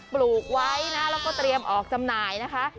ปลูกไว้นะแล้วก็เตรียมออกจำหน่ายนะคะ